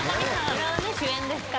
これはね主演ですから。